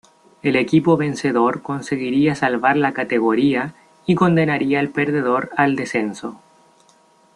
El equipo vencedor conseguiría salvar la categoría y condenaría al perdedor al descenso.